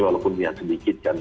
walaupun punya sedikit kan